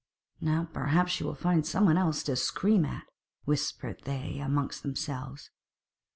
'Now, perhaps, she will find some one else to scream at,' whispered they amongst themselves.